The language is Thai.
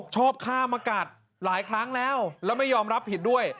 ชอบฆ่ามากัดหลายครั้งแล้วแล้วไม่ยอมรับผิดด้วย